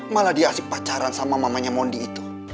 malah dia asik pacaran sama mamanya mondi itu